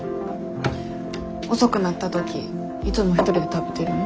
遅くなった時いつも一人で食べてるん？